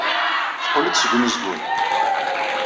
Teqqel-d seg umezgun.